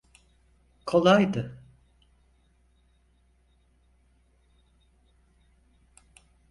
Kolaydı.